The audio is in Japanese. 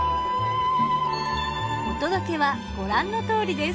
お届けはご覧のとおりです。